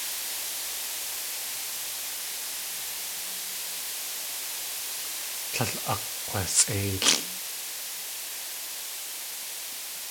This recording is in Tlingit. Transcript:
Tlél akg̲wasʼéilʼ.